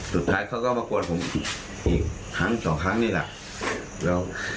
สุดท้ายเขาก็มากวดผมอีกครั้งสองครั้งนี่แหละแล้ว